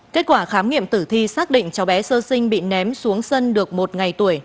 kết quả khám nghiệm tử thi xác định cháu bé sơ sinh bị ném xuống sân được một ngày tuổi